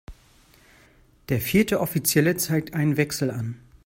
Der vierte Offizielle zeigt einen Wechsel an.